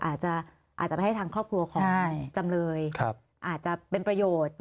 อาจจะไปให้ทางครอบครัวของจำเลยอาจจะเป็นประโยชน์